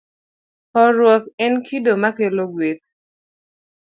Horuok en kido makelo gweth.